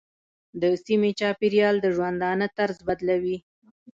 د سیمې چاپېریال د ژوندانه طرز بدلوي.